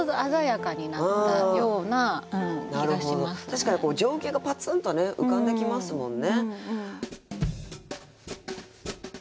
確かに情景がパツンとね浮かんできますもんね。